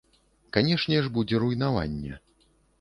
Канечне ж будзе руйнаванне.